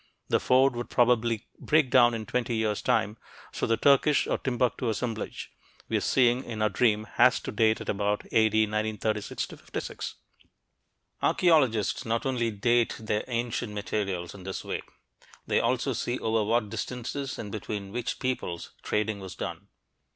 The Ford would probably break down in twenty years' time, so the Turkish or Timbuktu "assemblage" we're seeing in our dream has to date at about A.D. 1936 56. Archeologists not only "date" their ancient materials in this way; they also see over what distances and between which peoples trading was done.